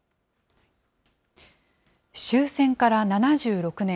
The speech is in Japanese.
終戦から７６年。